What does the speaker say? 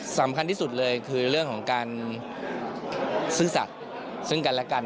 สำคัญที่สุดเลยคือเรื่องของการซื่อสัตว์ซึ่งกันและกัน